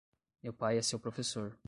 Meu pai é seu professor.